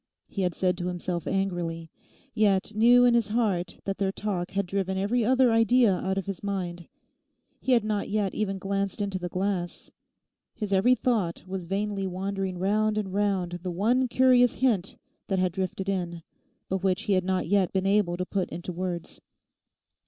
he had said to himself angrily; yet knew in his heart that their talk had driven every other idea out of his mind. He had not yet even glanced into the glass. His every thought was vainly wandering round and round the one curious hint that had drifted in, but which he had not yet been able to put into words.